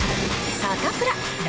サタプラ。